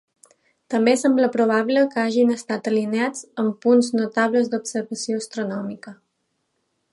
També sembla probable que hagin estat alineats amb punts notables d'observació astronòmica.